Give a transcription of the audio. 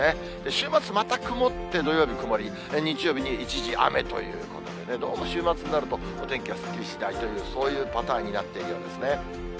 週末、また曇って、土曜日曇り、日曜日に一時雨ということでね、どうも週末になると、お天気がすっきりしないという、そういうパターンになっているようですね。